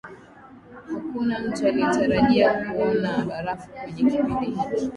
hakuna mtu aliyetarajia kuona barafu kwenye kipindi hiki